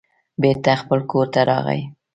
بېرته خپل کور ته راغی.